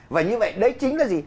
và như vậy đấy chính là gì